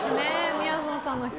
みやぞんさん。